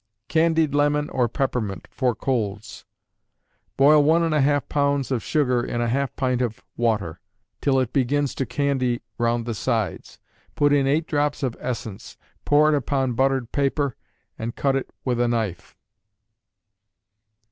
Candied Lemon or Peppermint, for Colds. Boil one and a half pounds of sugar in a half pint of water, till it begins to candy round the sides; put in eight drops of essence; pour it upon buttered paper, and cut it with a knife.